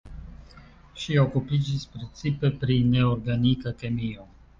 Ŝi okupiĝis precipe pri neorganika kemio.